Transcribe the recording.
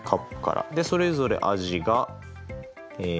でそれぞれ味がえ